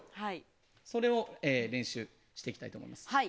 それを練習していきたいと思います。